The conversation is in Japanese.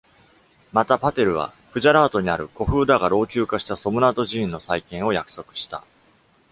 また、パテルは、クジャラートにある古風だが老朽化したソムナート寺院の再建を約束した。